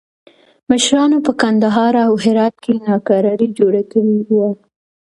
مشرانو په کندهار او هرات کې ناکراري جوړه کړې وه.